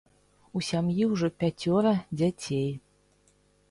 У сям'і ўжо пяцёра дзяцей.